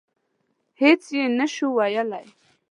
هېڅ یې نه شو ویلای.